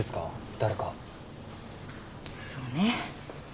誰かそうね